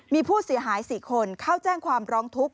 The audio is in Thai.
มีผู้เสียหาย๔คนเข้าแจ้งความร้องทุกข์